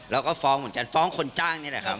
แล้วก็ฟ้องเหมือนกันฟ้องคนจ้างนี่แหละครับ